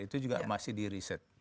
itu juga masih di riset